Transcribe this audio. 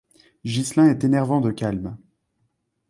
Ghislain est énervant de calme.